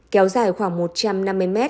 kéo dài khoảng một trăm năm mươi m